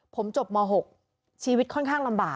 ผมจบม๖ชีวิตค่อนข้างลำบาก